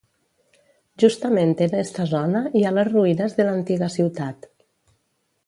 Justament en esta zona hi ha les ruïnes de l'antiga ciutat.